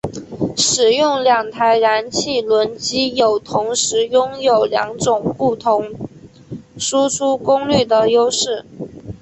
使用两台燃气轮机有同时拥有两种不同输出功率的优势。